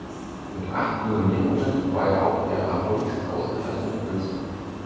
Mit acht Nominierungen war er auch der am häufigsten ausgezeichnete Künstler.